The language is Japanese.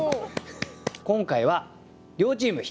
今回は両チーム引き分け！